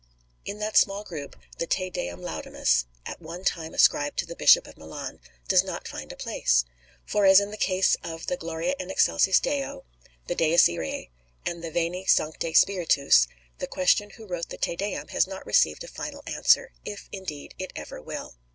In that small group the Te Deum laudamus, at one time ascribed to the Bishop of Milan, does not find a place. For, as in the case of the Gloria in Excelsis Deo, the Dies Iræ, and the Veni, Sancte Spiritus, the question who wrote the Te Deum has not received a final answer, if, indeed, it ever will.